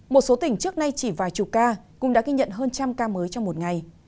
một số tỉnh trước nay chỉ vài chục ca cũng đã ghi nhận hơn trăm ca mới trong một ngày